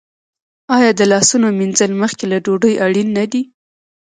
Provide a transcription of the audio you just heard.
آیا د لاسونو مینځل مخکې له ډوډۍ اړین نه دي؟